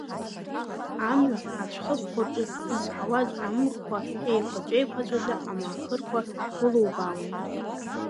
Амҩа ацәхыԥқәа рҿы зызҳауаз амӷқәа еиқәаҵәа-еиқәаҵәаӡа амаахырқәа ргәылубаауан.